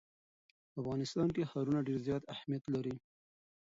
په افغانستان کې ښارونه ډېر زیات اهمیت لري.